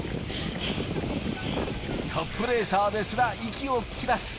トップレーサーですら息を切らす。